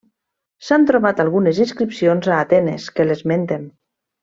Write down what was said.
S'han trobat algunes inscripcions a Atenes que l'esmenten.